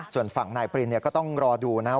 ส่วนฝั่งนายปรินก็ต้องรอดูนะครับ